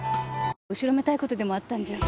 「後ろめたいことでもあったんじゃ？」